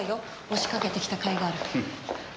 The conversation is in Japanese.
押しかけてきた甲斐がある。